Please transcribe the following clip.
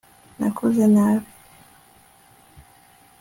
nakoze nabi